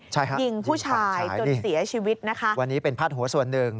ใช่ค่ะยิงผู้ชายจนเสียชีวิตนะคะวันนี้เป็นพาดหัวส่วนหนึ่ง